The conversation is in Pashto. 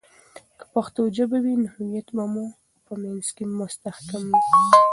که پښتو ژبه وي، نو هویت به مو په منځ مي مستحکم وي.